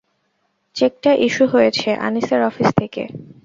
চেকটা ইস্যু হয়েছে আনিসের অফিস থেকে।